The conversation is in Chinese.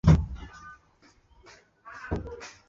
蒂米什县是罗马尼亚西部的一个县。